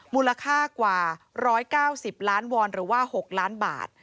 มูลค่ากว่า๑๙๐ล้านวอนหรือว่า๖ล้านบาท